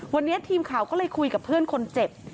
วันนี้ทีมข่าวก็เลยคุยกับเพื่อนคนเจ็บ